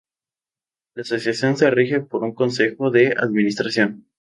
La Asociación se rige por un Consejo de Administración.